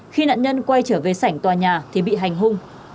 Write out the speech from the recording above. khi nạn nhân quay trở về sảnh tòa nhà thì bị hành hung